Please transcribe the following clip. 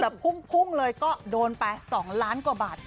แต่พุ่งเลยก็โดนไป๒ล้านกว่าบาทจ้